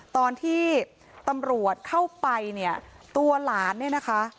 ตอนที่ตำรวจเข้าไปเนี่ยตัวหลานเนี่ยนะคะ